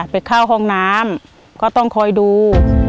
ไปเข้าห้องน้ำก็ต้องคอยดู